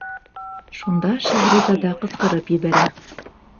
Шунда Шәһрезада ҡысҡырып ебәрә: